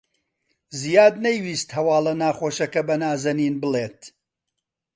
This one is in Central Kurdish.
زیاد نەیویست هەواڵە ناخۆشەکە بە نازەنین بڵێت.